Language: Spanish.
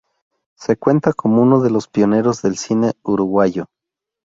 Se cuenta como uno de los pioneros del cine uruguayo.